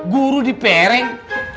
guru di pereng